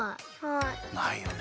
ないよね。